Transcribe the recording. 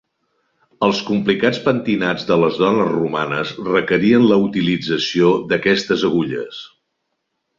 Els complicats pentinats de les dones romanes requerien la utilització d'aquestes agulles.